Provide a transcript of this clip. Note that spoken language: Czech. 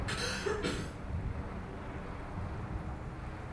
Z původní stavby však zbyl jen presbytář.